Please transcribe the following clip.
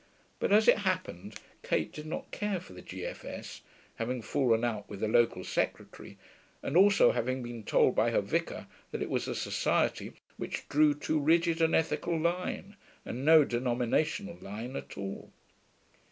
But as it happened Kate did not care for the G.F.S., having fallen out with the local secretary, and also having been told by her vicar that it was a society which drew too rigid an ethical line and no denominational line at all.